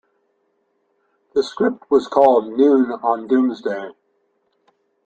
The script was called "Noon on Doomsday".